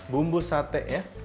bumbu sate ya